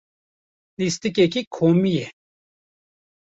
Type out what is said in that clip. Lîstikeke komî ye.